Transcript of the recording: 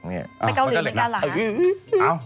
ไปเกาหลีก็ล้าง